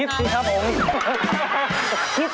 คิดสิครับผม